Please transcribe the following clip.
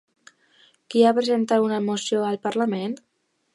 Qui ha presentat una moció al Parlament?